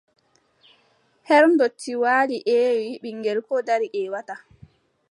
Her ndotti waali ƴeewi, ɓiŋngel koo dari ƴeewataa.